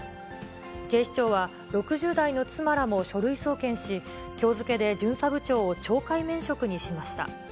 警視庁は、６０代の妻らも書類送検し、きょう付けで巡査部長を懲戒免職にしました。